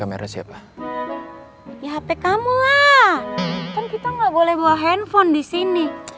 maaa kan kita ga boleh bawa handphone disini